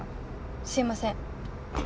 すいません。